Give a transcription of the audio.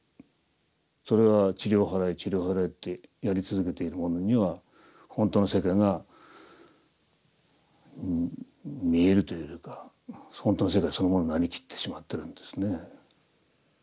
それは「塵を払え塵を払え」ってやり続けている者には本当の世界が見えるというよりか本当の世界そのものになりきってしまってるんですね。